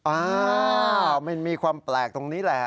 อ้าวมันมีความแปลกตรงนี้แหละ